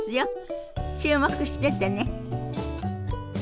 注目しててね。